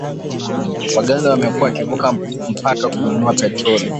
Waganda wamekuwa wakivuka mpaka kununua petroli